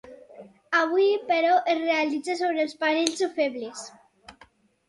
Avui, però, es realitza sobre els parells o febles.